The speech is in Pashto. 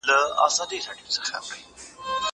زه مخکي سندري اورېدلي وې؟!